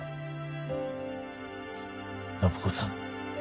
暢子さん。